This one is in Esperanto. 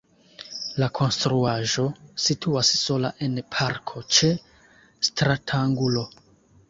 La konstruaĵo situas sola en parko ĉe stratangulo.